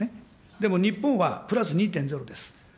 でも日本はプラス２．０です。